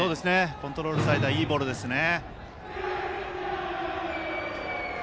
コントロールされたいいボールですね。